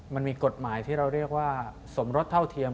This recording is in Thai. มันมีกฎหมายที่เราเรียกว่าสมรสเท่าเทียม